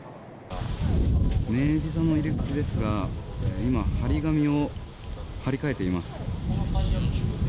明治座の入り口ですが今、貼り紙を貼り替えています。